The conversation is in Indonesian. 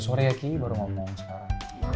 sorry ya kiki baru ngomong sekarang